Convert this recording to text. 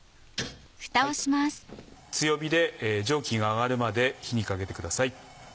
強火で蒸気が上がるまで火にかけてください。